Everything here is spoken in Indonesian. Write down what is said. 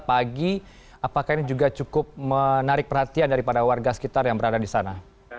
apakah ini juga cukup menarik perhatian daripada warga sekitar yang berada di sana